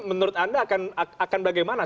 menurut anda akan bagaimana